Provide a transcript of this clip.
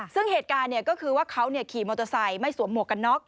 ซึ่งเหตุการณ์ก็คือว่าเขาขี่มอเตอร์ไซค์ไม่สวมหมวกกันน็อก